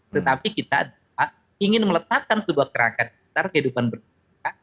tetapi kita ingin meletakkan sebuah kerangkaan di sekitar kehidupan berbuka